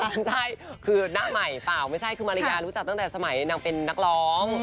ใช่คือหน้าใหม่เปล่าไม่ใช่คือมาริยารู้จักตั้งแต่สมัยนางเป็นนักร้อง